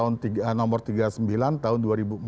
nomor tiga puluh sembilan tahun dua ribu empat